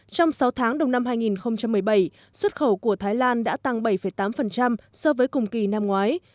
trong sáu tháng đầu năm hai nghìn một mươi bảy xuất khẩu của thái lan đã tăng bảy tám so với cùng kỳ năm ngoái